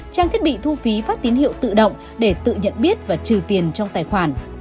trang thiết bị thu phí phát tín hiệu tự động để tự nhận biết và trừ tiền trong tài khoản